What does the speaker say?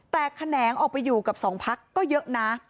แต่แขนงออกไปอยู่กับสองพักก็เยอะนะ